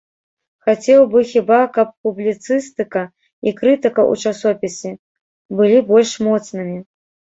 Хацеў бы хіба, каб публіцыстыка і крытыка ў часопісе былі больш моцнымі.